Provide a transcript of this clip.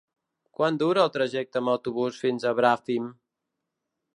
Quant dura el trajecte en autobús fins a Bràfim?